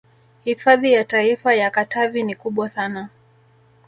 Hifadhi ya Taifa ya Katavi ni kubwa sana